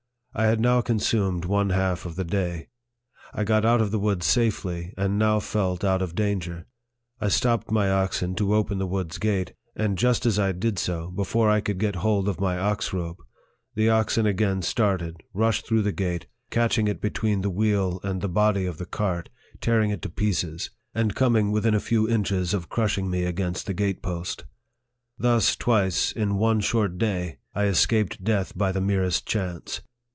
I had now consumed one half of the day. I got out of the woods safely, and now felt out of danger. I stopped my oxen to open the woods gate ; and just as I did so, before I could get hold of my ox rope, the oxen again started, rushed through the gate, catching it between the wheel and the body of the cart, tearing it to pieces, and coming within a few inches of crushing me against the gate post. Thus twice, in one short day, I es caped death by the merest chance.